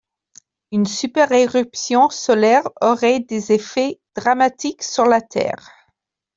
Une super éruption solaire auraient des effets dramatiques sur la Terre.